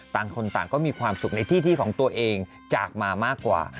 ต่างคนต่างก็มีความสุขในที่ที่ของตัวเองจากมามากกว่า